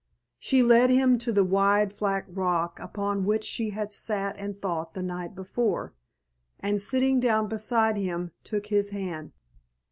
She led him to the wide flat rock upon which she had sat and thought the night before, and sitting down beside him took his hand.